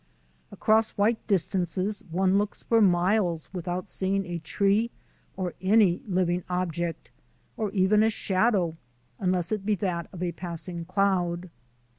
Across white distances one looks for miles without seeing a tree or any living object or even a shadow unless it be that of a passing cloud.